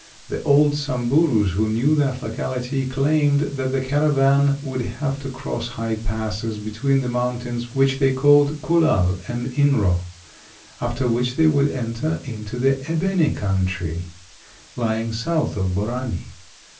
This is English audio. The old Samburus, who knew that locality, claimed that the caravan would have to cross high passes between the mountains which they called Kullal and Inro, after which they would enter into the Ebene country, lying south of Borani.